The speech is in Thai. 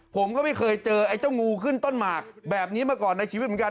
ผมก็ไม่เคยเจอไอ้เจ้างูขึ้นต้นหมากแบบนี้มาก่อนในชีวิตเหมือนกัน